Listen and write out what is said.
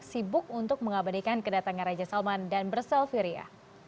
sibuk untuk mengabadikan kedatangan raja salman dan berselfir ya